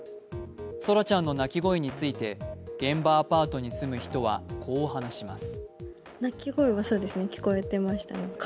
奏良ちゃんの泣き声について現場アパートに住む人はこう話します。